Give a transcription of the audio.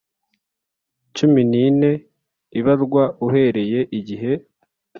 cumi n ine ibarwa uhereye igihe